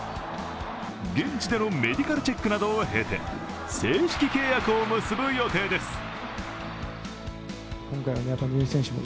現地でのメディカルチェックなどを経て、正式契約を結ぶ予定です。